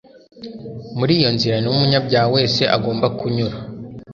Muri iyo nzira niho umunyabyaha wese agomba kunyura